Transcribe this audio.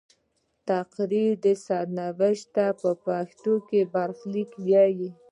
تقدیر یا سرنوشت ته په پښتو کې برخلیک وايي.